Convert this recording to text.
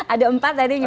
ada empat tadi gimana